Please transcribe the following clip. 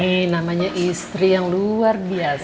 ini namanya istri yang luar biasa